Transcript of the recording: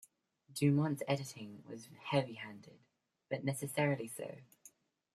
Dumont's editing was heavy-handed, but necessarily so.